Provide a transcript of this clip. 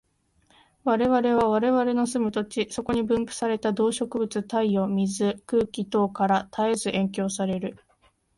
我々は我々の住む土地、そこに分布された動植物、太陽、水、空気等から絶えず影響される。